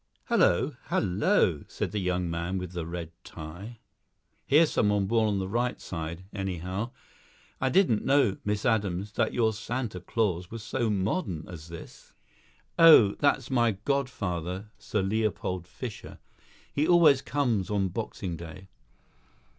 "Hullo, hullo!" said the young man with the red tie, "here's somebody born on the right side, anyhow. I didn't know, Miss Adams, that your Santa Claus was so modern as this." "Oh, that's my godfather, Sir Leopold Fischer. He always comes on Boxing Day."